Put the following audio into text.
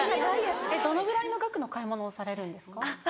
どのぐらいの額の買い物をされるんですか？